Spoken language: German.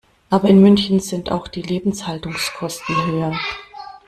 Aber in München sind auch die Lebenshaltungskosten höher.